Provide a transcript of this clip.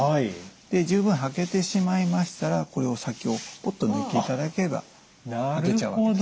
で十分履けてしまいましたらこれを先をポッと抜いていただければ履けちゃうわけです。